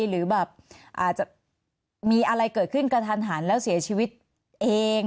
หรือแบบอาจจะมีอะไรเกิดขึ้นกระทันหันแล้วเสียชีวิตเอง